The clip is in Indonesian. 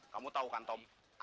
kamu tahu kan tom